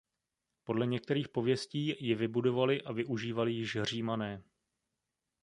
Podle některých pověstí ji vybudovali a využívali již Římané.